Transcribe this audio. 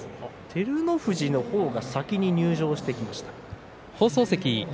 照ノ富士の方が先に入場してきました。